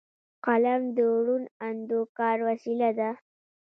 قلم د روڼ اندو کار وسیله ده